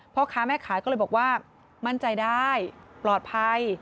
พ่อค้าแม่ขายก็เลยบอกว่ามั่นใจได้ปลอดภัย